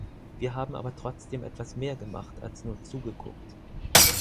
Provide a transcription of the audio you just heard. Wir haben aber trotzdem etwas mehr gemacht als nur zugeguckt.